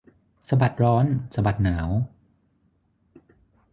สะบัดร้อนสะบัดหนาว